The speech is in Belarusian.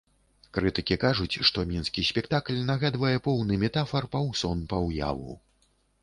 Крытыкі кажуць, што мінскі спектакль нагадвае поўны метафар паўсон-паўяву.